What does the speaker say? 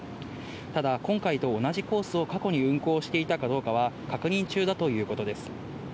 ただ、今回と同じコースを過去に運行していたかどうかは、確認中だということです。